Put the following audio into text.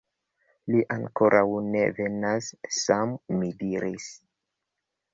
Li ankoraŭ ne venas, Sam, mi diris.